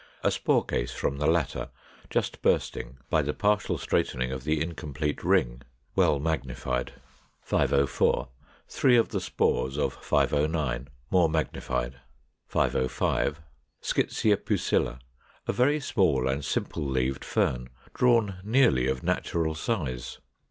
A spore case from the latter, just bursting by the partial straightening of the incomplete ring; well magnified. 504. Three of the spores of 509, more magnified. 505. Schizæa pusilla, a very small and simple leaved Fern, drawn nearly of natural size.